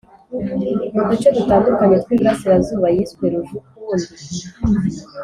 Mu duce dutandukanye tw’Iburasirazuba yiswe Rujukundi